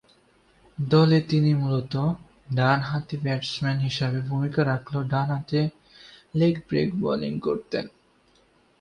দলে তিনি মূলতঃ ডানহাতি ব্যাটসম্যান হিসেবে ভূমিকা রাখলেও ডানহাতে লেগ ব্রেক বোলিং করতেন।